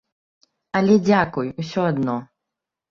Але дзякуй усё адно.